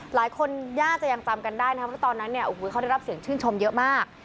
หลายคนญาติจะยังจำกันได้เพราะตอนนั้นเขารับเสียงชื่นชมเยอะมาก